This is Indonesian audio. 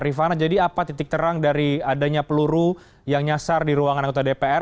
rifana jadi apa titik terang dari adanya peluru yang nyasar di ruangan anggota dpr